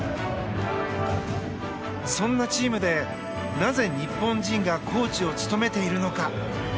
そんなチームで、なぜ日本人がコーチを務めているのか。